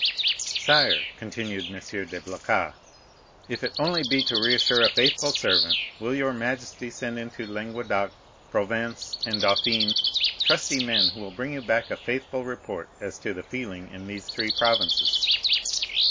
"Sire," continued M. de Blacas, "if it only be to reassure a faithful servant, will your majesty send into Languedoc, Provence, and Dauphiné, trusty men, who will bring you back a faithful report as to the feeling in these three provinces?"